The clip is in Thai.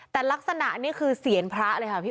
แต่ลักษณะนี้คือเศียรพระ